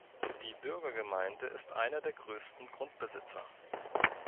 Die Bürgergemeinde ist einer der grössten Grundbesitzer.